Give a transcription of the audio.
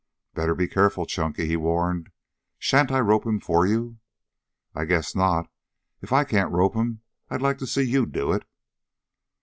"Better be careful, Chunky," he warned. "Shan't I rope him for you?" "I guess not. If I can't rope him I'd like to see you do it."